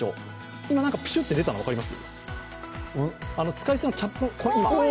今、プシュッて出たの、分かります？